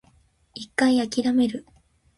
一回諦める